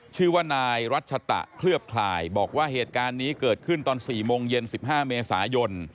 ชื่อว่านายรัชตะเคลือบคลายบอกว่าเหตุการณ์นี้เกิดขึ้นตอน๔โมงเย็น๑๕เมษายน